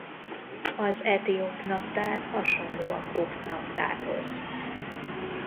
Az etióp naptár hasonló a kopt naptárhoz.